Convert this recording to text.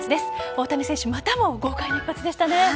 大谷選手またも豪快な一発でしたね。